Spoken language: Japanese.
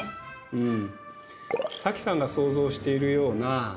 うん。